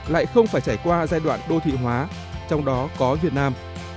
lại không phải trải qua giai đoạn đô thị hóa trong đó có việt nam